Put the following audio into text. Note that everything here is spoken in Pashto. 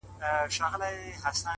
جنگ روان ـ د سولي په جنجال کي کړې بدل.